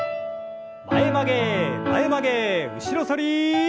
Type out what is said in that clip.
前曲げ前曲げ後ろ反り。